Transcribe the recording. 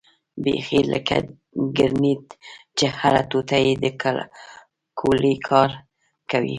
بيخي لکه ګرنېټ چې هره ټوټه يې د ګولۍ کار کوي.